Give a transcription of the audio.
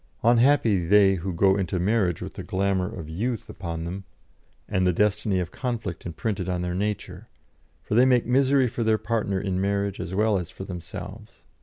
Unhappy they who go into marriage with the glamour of youth upon them and the destiny of conflict imprinted on their nature, for they make misery for their partner in marriage as well as for themselves.